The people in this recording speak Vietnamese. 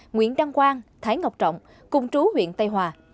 nguyễn đăng quang thái ngọc trọng cùng chú huyện tây hòa